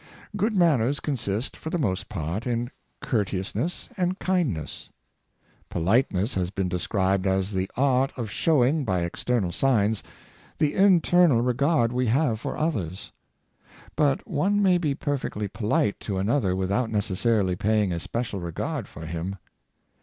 Good manners consist, for the most part, in courteous ness and kindness. Politeness has been described as the art of showing, by external signs, the internal re gard we have for others. But one may be perfectly polite to another without necessarily paying a special regard for him.